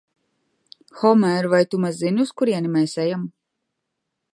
Homēr, vai tu maz zini, uz kurieni mēs ejam?